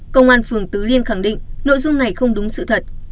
công an phường tứ liêm khẳng định nội dung này không đúng sự thật